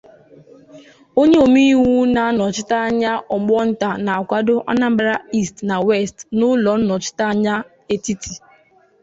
onye omeiwu na-anọchite anya ọgbọ nta nkwàdo 'Anambra East na West' n'ụlọ nnọchianya etiti